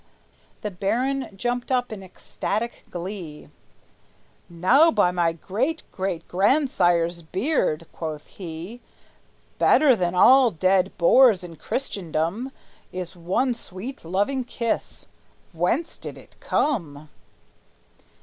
The baron jumped up in ecstatic glee. "Now by my great great grandsire's beard," quoth he, "Better than all dead boars in Christendom Is one sweet loving kiss! Whence did it come?"